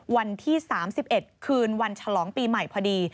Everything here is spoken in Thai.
วันที่๓๑คืนวันฉลองปีใหม่พอดี